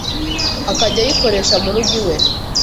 akajya ayikoresha mu rugo iwe.